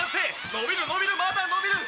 伸びる伸びるまだ伸びる！」